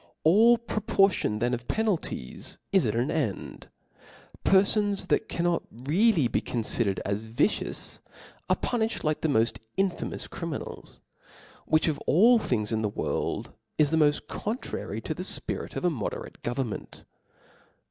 All proportion then of penalties is at an end. Perfons that cannot really be confidered as vicious, are punilhed like the moft infamous criminals*, yrhich of all things in the world is the moft con trary to the fpirit of a moderate government.